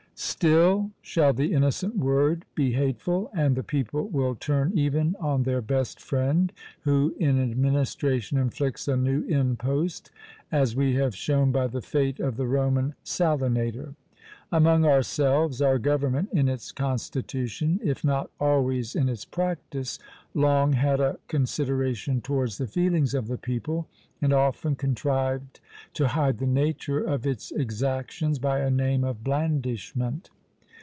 Still shall the innocent word be hateful, and the people will turn even on their best friend, who in administration inflicts a new impost; as we have shown by the fate of the Roman Salinator! Among ourselves, our government, in its constitution, if not always in its practice, long had a consideration towards the feelings of the people, and often contrived to hide the nature of its exactions by a name of blandishment.